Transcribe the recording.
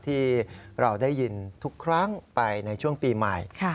ที่เราได้ยินทุกครั้งไปในช่วงปีใหม่